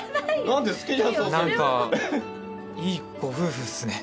何かいいご夫婦っすね。